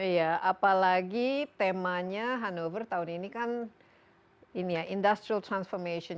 iya apalagi temanya hannover tahun ini kan industrial transformation